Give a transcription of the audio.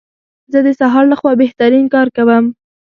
زه د سهار لخوا بهترین کار کوم.